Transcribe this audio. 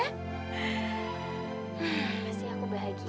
pasti aku bahagia sekali